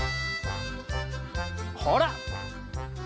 ほら！